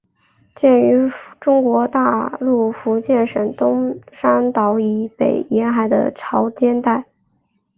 见于中国大陆福建省东山岛以北沿海的潮间带。